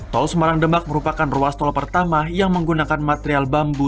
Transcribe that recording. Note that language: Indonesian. tol semarang demak merupakan ruas tol pertama yang menggunakan material bambu